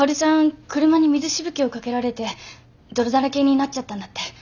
車に水しぶきを掛けられて泥だらけになっちゃったんだって。